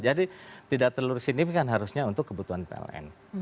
jadi tidak terlalu signifikan harusnya untuk kebutuhan pln